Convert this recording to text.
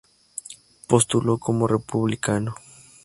Postuló como republicano.